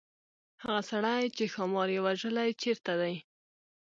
هغه سړی چې ښامار یې وژلی چيرته دی.